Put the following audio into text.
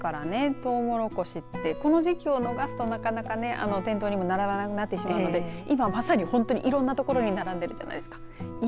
トウモロコシでこの時期を逃すとなかなか店頭にもなかなか並ばなくなってしまうので今いろんなところに並んでるじゃないですか。